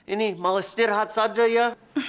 ini mau istirahat saja ya